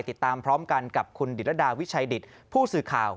ติดตามพร้อมกันกับคุณดิรดาวิชัยดิตผู้สื่อข่าว